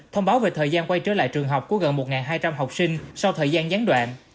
thông báo về thời gian quay trở lại trường học của gần một hai trăm linh học sinh sau thời gian gián đoạn